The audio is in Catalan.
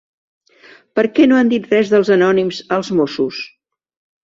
Per què no han dit res dels anònims als Mossos?